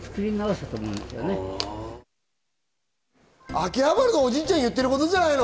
秋葉原のおじいちゃんが言っていることじゃないの？